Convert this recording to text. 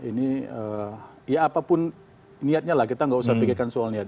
ini ya apapun niatnya lah kita nggak usah pikirkan soal niat